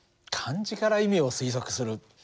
漢字から意味を推測する。